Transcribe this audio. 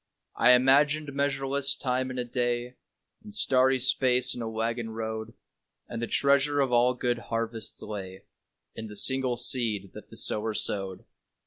I imagined measureless time in a day, And starry space in a waggon road, And the treasure of all good harvests lay In the single seed that the sower sowed.